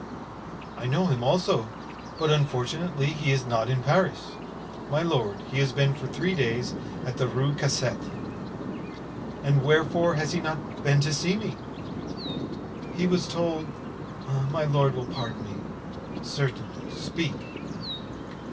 "I know him also, but unfortunately he is not in Paris." "My lord, he has been for three days at the Rue Cassette." "And wherefore has he not been to see me?" "He was told—my lord will pardon me——" "Certainly, speak."